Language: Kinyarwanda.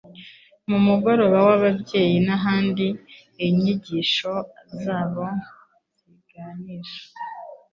mu mugoroba w ababyeyi n ahandi inyigisho zabo ziganisha